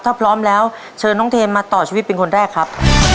ถ้าพร้อมแล้วเชิญน้องเทมมาต่อชีวิตเป็นคนแรกครับ